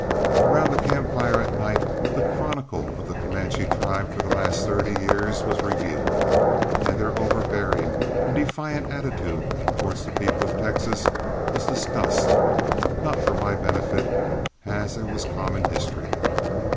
Around the camp fire at night the chronicle of the Comanche tribe for the last thirty years was reviewed, and their overbearing and defiant attitude towards the people of Texas was discussed, not for my benefit, as it was common history.